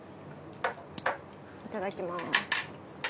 いただきます。